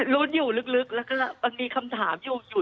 รุ้นอยู่ลึกแล้วก็มันมีคำถามอยู่